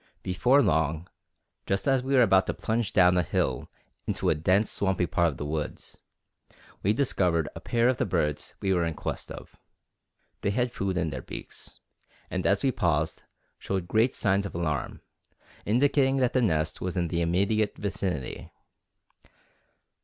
Before long, just as we were about to plunge down a hill into a dense, swampy part of the woods, we discovered a pair of the birds we were in quest of. They had food in their beaks, and, as we paused, showed great signs of alarm, indicating that the nest was in the immediate vicinity.